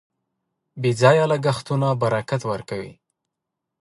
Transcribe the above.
بې ځایه لګښتونه برکت ورکوي.